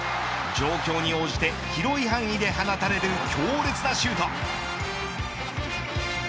状況に応じて広い範囲で放たれる強烈なシュート。